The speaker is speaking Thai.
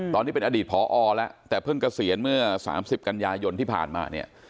ตอนนี้เป็นอดีตพอแล้วแต่เพิ่งเกษียณเมื่อ๓๐กันยายนที่ผ่านมาเนี่ย